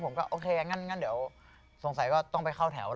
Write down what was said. ผมคิดว่าโอเคเดี๋ยวต้องไปเข้าแถว